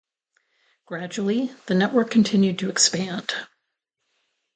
Gradually, the network continued to expand.